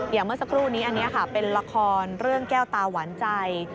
เมื่อสักครู่นี้อันนี้ค่ะเป็นละครเรื่องแก้วตาหวานใจ